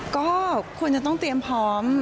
ก็ควรจะต้องเตรียมพร้อม